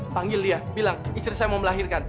panggil dia bilang istri saya mau melahirkan